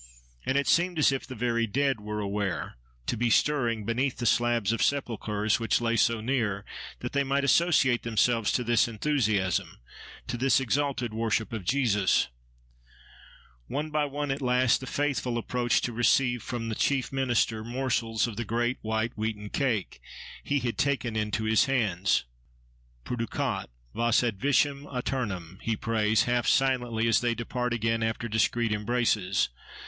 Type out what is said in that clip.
And it seemed as if the very dead were aware; to be stirring beneath the slabs of the sepulchres which lay so near, that they might associate themselves to this enthusiasm—to this exalted worship of Jesus. * Psalm xxii. 22 31. One by one, at last, the faithful approach to receive from the chief minister morsels of the great, white, wheaten cake, he had taken into his hands—Perducat vos ad vitam aeternam! he prays, half silently, as they depart again, after discreet embraces.